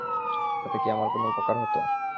তাতে কি আমার কোন উপকার হতো।